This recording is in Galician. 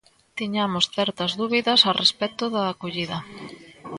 Tiñamos certas dúbidas a respecto da acollida.